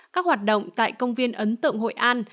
các hoạt động tại công viên ấn tượng hội an